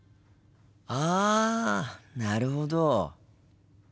あなるほど。